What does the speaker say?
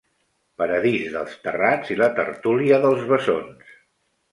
Paradís dels Terrats i la Tertúlia dels Bessons.